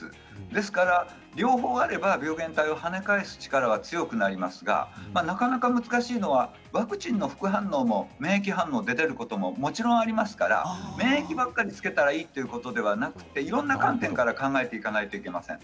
ですから両方あれば、病原体を跳ね返す力は強くなりますがなかなか難しいのはワクチンの副反応も免疫反応が出ていることがもちろんありますから免疫ばかりつけたらいいというわけではなくていろいろな観点から考えていかなければいけません。